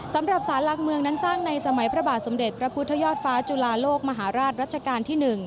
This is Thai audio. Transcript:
สำหรับสารหลักเมืองนั้นสร้างในสมัยพระบาทสมเด็จพระพุทธยอดฟ้าจุลาโลกมหาราชรัชกาลที่๑